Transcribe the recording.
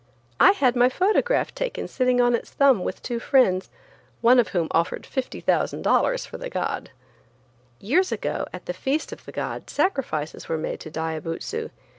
I had my photograph taken sitting on its thumb with two friends, one of whom offered $50,000 for the god. Years ago at the feast of the god sacrifices were made to Diabutsu.